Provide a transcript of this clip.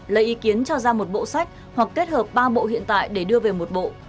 lấy ý kiến cho ra một bộ sách hoặc kết hợp ba bộ hiện tại để đưa về một bộ